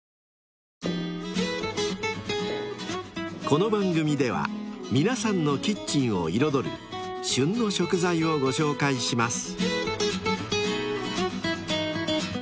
［この番組では皆さんのキッチンを彩る「旬の食材」をご紹介します］